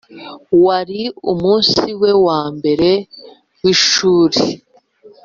wari umunsi we wa mbere w'ishuri.